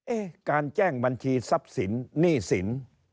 การแจ้งบัญชีทรัพย์สินหนี้สิน